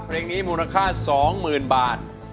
เพลงนี้มูลค่า๒๐๐๐บาท